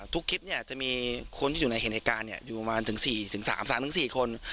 ทุกคลิปเนี้ยจะมีคนที่อยู่ในเหตุการณ์เนี้ยอยู่ประมาณถึงสี่ถึงสามสามถึงสี่คน